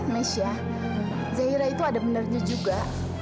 misha zahira itu ada benernya juga